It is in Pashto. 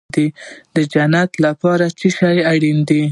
د جنت لپاره څه شی اړین دی؟